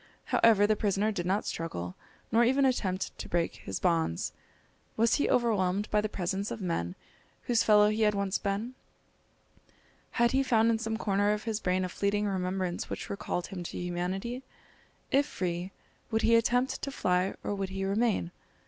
However, the prisoner did not struggle, nor even attempt to break his bonds. Was he overwhelmed by the presence of men whose fellow he had once been? Had he found in some corner of his brain a fleeting remembrance which recalled him to humanity? If free, would he attempt to fly, or would he remain?